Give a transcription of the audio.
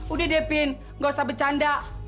udah deh pin nggak usah bercanda